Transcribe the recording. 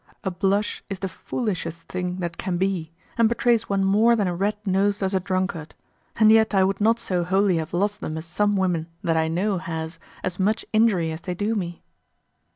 A blush is the foolishest thing that can be, and betrays one more than a red nose does a drunkard; and yet I would not so wholly have lost them as some women that I know has, as much injury as they do me.